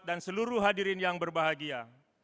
dan seluruh hadirin yang berbahagia